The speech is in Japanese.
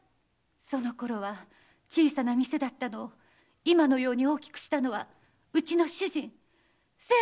そのころは小さな店だったのを今のように大きくしたのはうちの主人清兵衛でございます。